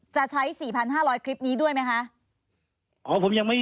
จะใช้สี่พันห้าร้อยคริปนี้ด้วยไหมฮะอ๋อผมยังไม่